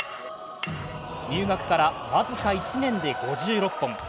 入学から僅か１年で５６本。